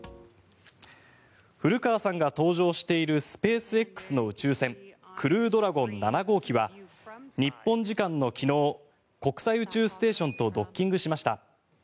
古川さんが搭乗しているスペースＸの宇宙船クルードラゴン７号機は日本時間の昨日国際宇宙ステーションとドッキングしました。